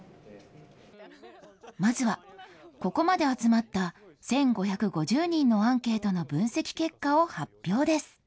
まずはここまで集まった１５５０人のアンケートの分析結果を発表